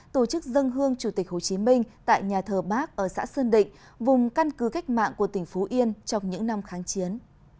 tổ chức dân hương chủ tịch hồ chí minh tại nhà thờ bác ở xã sơn định vùng căn cứ cách mạng của tỉnh phú yên trong những năm kháng chiến